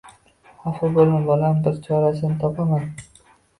Xafa bo`lma, bolam, bir chorasini topaman